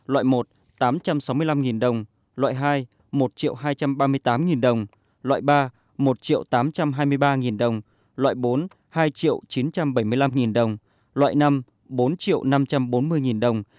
loại một tám trăm sáu mươi năm đồng loại hai một hai trăm ba mươi tám đồng loại ba một triệu tám trăm hai mươi ba đồng loại bốn hai chín trăm bảy mươi năm nghìn đồng loại năm bốn triệu năm trăm bốn mươi đồng